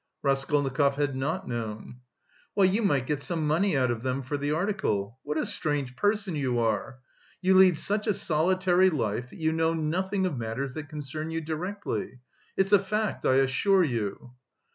Raskolnikov had not known. "Why, you might get some money out of them for the article! What a strange person you are! You lead such a solitary life that you know nothing of matters that concern you directly. It's a fact, I assure you."